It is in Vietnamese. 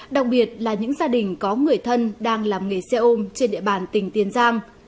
đặc biệt là những gia đình có người thân đang làm nghề xe ôm trên địa bàn tỉnh tiền giang